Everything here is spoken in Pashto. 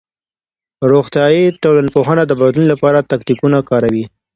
روغتيائي ټولنپوهنه د بدلون لپاره تکتيکونه کاروي.